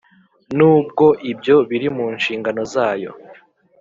nubwo ibyo biri mu nshingano zayo